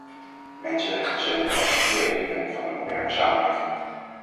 Mensenrechten zijn een essentieel element van een moderne samenleving.